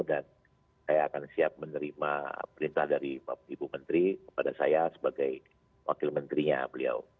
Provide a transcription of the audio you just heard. dan saya akan siap menerima perintah dari ibu menteri kepada saya sebagai wakil menterinya beliau